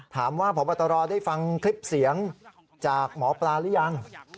ถามว่าพบตรได้ฟังคลิปเสียงจากหมอปลาร่าหรือยัง